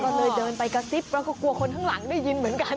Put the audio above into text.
ก็เลยเดินไปกระซิบแล้วก็กลัวคนข้างหลังได้ยินเหมือนกัน